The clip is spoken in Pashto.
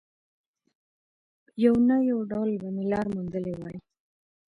يو نه يو ډول به مې لاره موندلې وای.